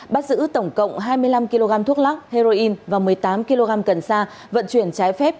bắt giữ tổng cộng hai mươi năm kg thuốc lắc heroin và một mươi tám kg cần sa vận chuyển trái phép